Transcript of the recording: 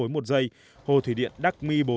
một giây hồ thủy điện đắc mi bốn